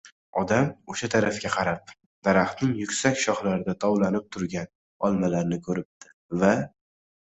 Odam oʻsha tarafga qarab, daraxtning yuksak shoxlarida tovlanib turgan olmalarni koʻribdi va: